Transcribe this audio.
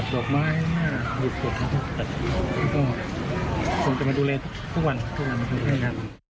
แต่น้องโก้คงจะมาดูเล่นทุกวันแล้วกัน